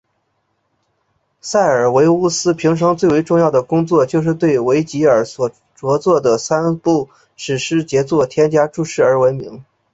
塞尔维乌斯平生最为重要的工作就是对维吉尔所着作的三部史诗杰作添加注释而闻名。